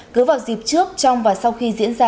cứ vào dịp trước trong và sau khi diễn ra